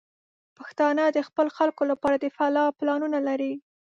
پښتانه د خپلو خلکو لپاره د فلاح پلانونه لري.